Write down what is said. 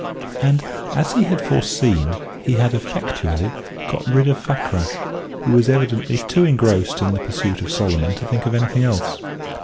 And, as he had foreseen, he had effectually got rid of Fakrash, who was evidently too engrossed in the pursuit of Solomon to think of anything else.